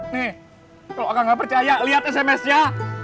nih kalau aku gak percaya lihat sms nya